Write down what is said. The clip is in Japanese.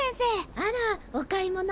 あらお買い物？